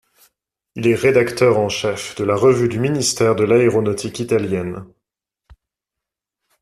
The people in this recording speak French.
Il est rédacteur en chef de la revue du ministère de l'aéronautique italienne.